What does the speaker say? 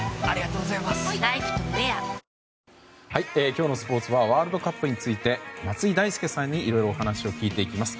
今日のスポーツはワールドカップについて松井大輔さんにいろいろお話を聞いていきます。